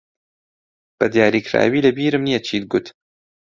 بەدیاریکراوی لەبیرم نییە چیت گوت.